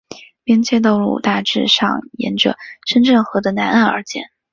边界道路大致上沿着深圳河的南岸而建。